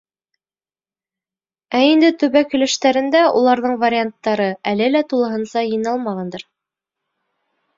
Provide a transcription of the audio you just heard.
Э инде төбәк һөйләштәрендә уларҙың варианттары әле лә тулыһынса йыйналмағандыр.